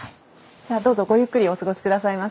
じゃあどうぞごゆっくりお過ごしくださいませ。